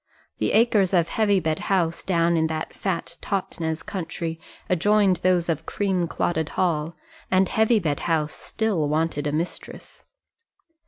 The acres of Heavybed House, down in that fat Totnes country, adjoined those of Creamclotted Hall, and Heavybed House still wanted a mistress.